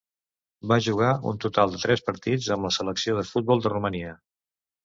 Va jugar un total de tres partits amb la selecció de futbol de Romania.